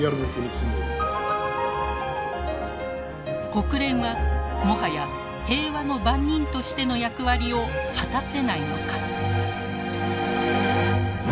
国連はもはや平和の番人としての役割を果たせないのか。